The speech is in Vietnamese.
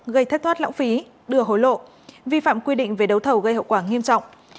gây thất thoát lão phí đưa hối lộ vi phạm quy định về đấu thầu gây hậu quả nghiêm trọng